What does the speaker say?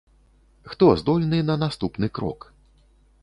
Хто здольны на наступны крок?